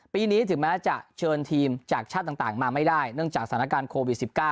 ปีนี้ถึงแม้จะเชิญทีมจากชาติต่างมาไม่ได้เนื่องจากสถานการณ์โควิด๑๙